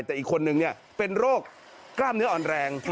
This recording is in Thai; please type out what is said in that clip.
แต่อีกคนนึงเป็นโรคกล้ามเนื้ออ่อนแรง